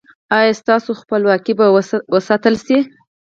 ایا ستاسو خپلواکي به وساتل شي؟